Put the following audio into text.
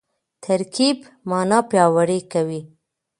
ترکیب مانا پیاوړې کوي.